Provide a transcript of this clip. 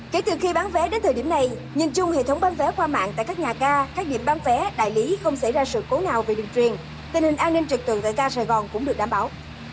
kể từ khi bán vé đến thời điểm này nhìn chung hệ thống bán vé qua mạng tại các nhà ga các điểm bán vé đại lý không xảy ra sự cố nào về đường truyền tình hình an ninh trực tượng tại ga sài gòn cũng được đảm bảo